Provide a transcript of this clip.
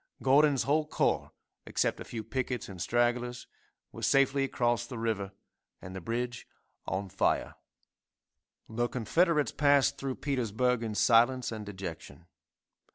Gordon's whole corps, except a few pickets and stragglers, were safely across the river, and the bridge on fire. The Confederates passed through Petersburg in silence and dejection.